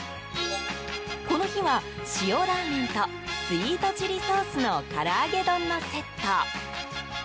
この日は塩ラーメンとスイートチリソースのカラアゲ丼のセット。